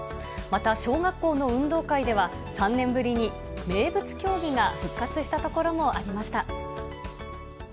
また小学校の運動会では、３年ぶりに名物競技が復活した所もありました。